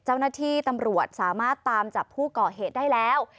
เจ้าหน้าที่ตำรวจสามารถตามจับผู้ก่อเหตุได้แล้ว